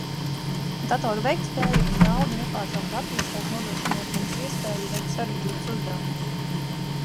Datoru veiktspēja un jauda nepārtraukti attīstās, nodrošinot mums iespēju veikt sarežģītus uzdevumus.